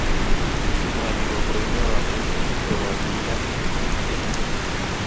Kimwachi kongoi neo amu kimuch kokochi kasisiek biik chechang